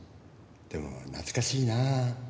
でも懐かしいなぁ。